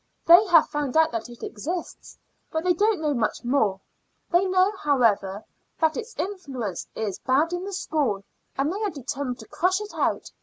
They have found out that it exists, but they don't know much more. They know, however, that its influence is bad in the school, and they are determined to crush it out.